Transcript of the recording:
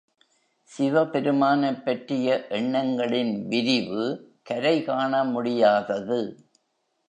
சிவபெருமானைப் பற்றிய எண்ணங்களின் விரிவு கரை காண முடியாதது.